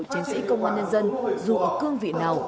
chiến sĩ công an nhân dân dù ở cương vị nào